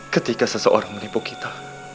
ketika seseorang menipu kita